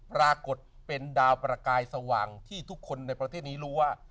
ปรากฏเป็นดาวประกายสว่างที่ทุกคนในประเทศนี้รู้ว่า